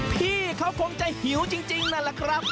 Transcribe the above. พี่เขาคงจะหิวจริงนั่นแหละครับ